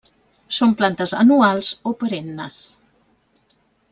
Són plantes anuals o perennes.